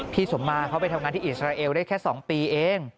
สมมาเขาไปทำงานที่อิสราเอลได้แค่๒ปีเอง